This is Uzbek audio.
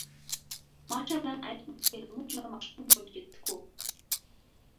“Masha bilan ayiq” multfilmi juda mashhur bo‘lib ketdi-ku!